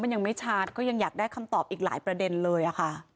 มันยังไม่ชัดก็ยังอยากได้คำตอบอีกหลายประเด็นเลยค่ะ